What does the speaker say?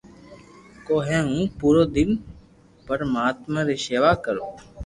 ڪو ھي ھون پورو دن پرماتم ري ݾيوا ڪرو ھ